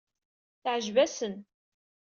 Teɛjeb-asen.